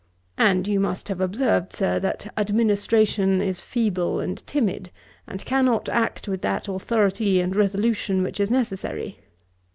And you must have observed, Sir, that administration is feeble and timid, and cannot act with that authority and resolution which is necessary.